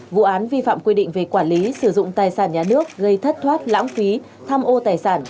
vụ án vi phạm quy định về quản lý sử dụng tài sản nhà nước gây thất thoát lãng phí tham ô tài sản